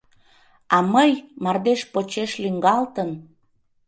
А мый, мардеж почеш лӱҥгалтын